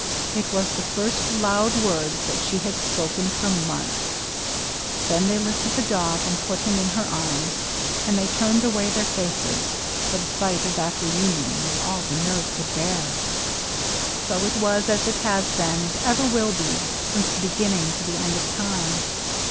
It was the first loud word that she had spoken for months. Then they lifted the dog and put him in her arms; and they turned away their faces, for the sight of that reunion was all the nerve could bear. So it was as it has been, and ever will be, since the beginning to the end of time.